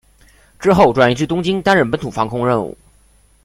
之后转移至东京担任本土防空任务。